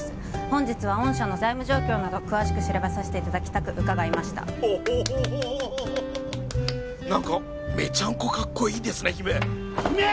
本日は御社の財務状況など詳しく調べさせていただきたく伺いましたおっほほほ何かメチャンコかっこいいですね姫姫！